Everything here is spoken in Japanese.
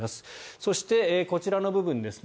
そして、こちらの部分ですね。